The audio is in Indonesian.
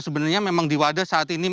sebenarnya memang di wadas saat ini